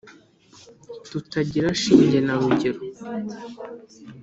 tutagira shinge na rugero